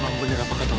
bang bener apa ketawa